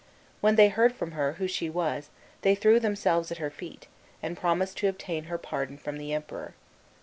When they heard from her who she was they threw themselves at her feet, and promised to obtain her pardon from the Emperor.